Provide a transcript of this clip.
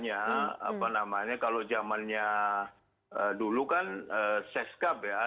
nah masalahnya kalau zamannya dulu kan seskap ya